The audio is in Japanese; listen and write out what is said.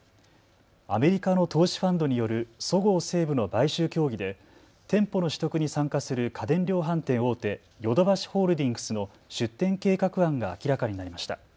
アメリカの投資ファンドによるそごう・西武の買収協議で店舗の取得に参加する家電量販店大手、ヨドバシホールディングスの出店計画案が明らかになりました。